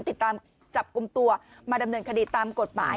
ติดตามจับกลุ่มตัวมาดำเนินคดีตามกฎหมาย